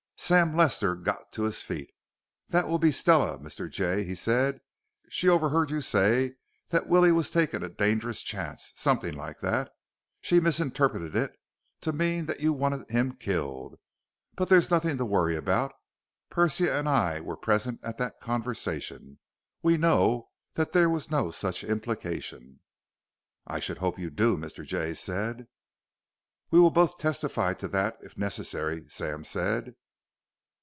Sam Lester got to his feet. "That will be Stella, Mr. Jay," he said. "She overheard you say that Willie was taking a dangerous chance something like that. She misinterpreted it to mean that you wanted him killed. But there's nothing to worry about. Persia and I were present at that conversation. We know that there was no such implication." "I should hope you do," Mr. Jay said. "We will both testify to that if necessary," Sam said.